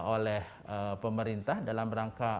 oleh pemerintah dalam rangka